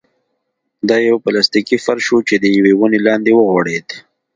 دا يو پلاستيکي فرش و چې د يوې ونې لاندې وغوړېد.